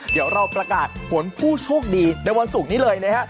เดี๋ยวเราประกาศผลผู้โชคดีในวันศุกร์นี้เลยนะฮะ